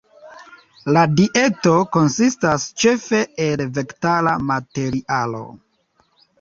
La dieto konsistas ĉefe el vegetala materialo.